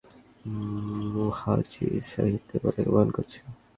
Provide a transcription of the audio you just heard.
মুহাজির সাহাবীদের পতাকা বহন করছে।